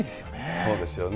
そうですよね。